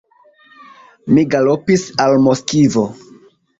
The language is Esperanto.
Mi galopis al Moskvo.